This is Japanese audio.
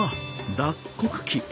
脱穀機！